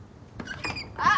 あっ